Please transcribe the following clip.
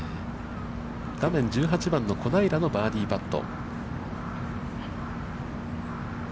画面は１８番の小平のバーディーパット。